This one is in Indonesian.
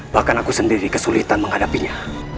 bahkan aku sendiri kesulitan menghadapinya